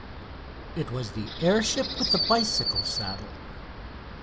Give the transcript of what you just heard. It was the air ship with the bicycle saddle.